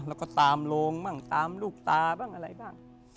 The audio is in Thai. แล้วก็ตามโรงบ้างตามลูกตาบ้างอะไรบ้าง